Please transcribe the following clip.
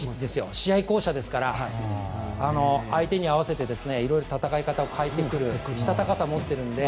試合巧者ですから相手に合わせていろいろ戦い方を変えてくるしたたかさを持っているので。